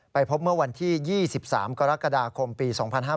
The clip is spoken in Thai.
พบเมื่อวันที่๒๓กรกฎาคมปี๒๕๕๙